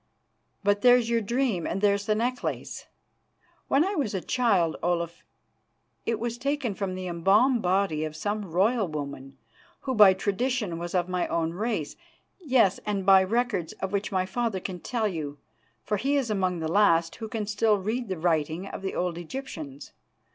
But there's your dream and there's the necklace. When I was a child, Olaf, it was taken from the embalmed body of some royal woman, who, by tradition, was of my own race, yes, and by records of which my father can tell you, for he is among the last who can still read the writing of the old Egyptians.